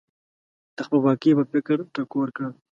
د خپلواکۍ په فکر ټکور کړل.